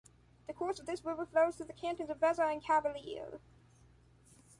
The course of this river flows through the cantons of Vezza and Cavelier.